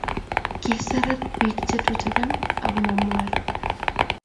kIseret pik chetuten ako mamwae